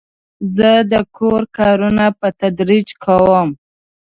زه د کور کارونه په تدریج کوم.